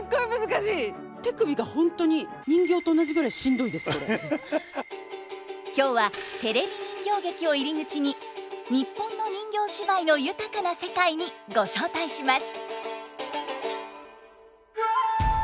手首がホントに今日はテレビ人形劇を入り口に日本の人形芝居の豊かな世界にご招待します。